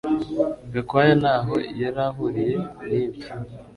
Gakwaya ntaho yari ahuriye nibyo